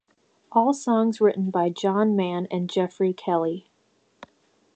All songs written by John Mann and Geoffrey Kelly.